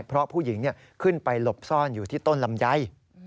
เพราะผู้หญิงขึ้นไปหลบซ่อนอยู่ที่ต้นลำไย